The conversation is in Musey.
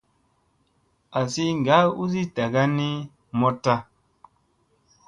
Azi ŋgaa usi dagani moɗta.